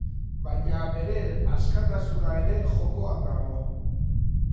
Baina bere askatasuna ere jokoan dago.